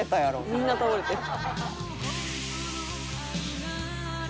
「みんな倒れてる」